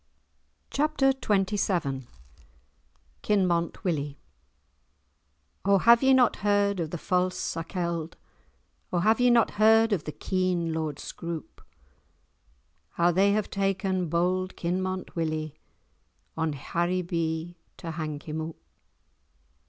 *Chapter XXVII* *Kinmont Willie* "O have ye not heard of the false Sakelde, O have ye not heard of the keen Lord Scroope, How they have taken bold Kinmont Willie On Haribee to hang him oop?"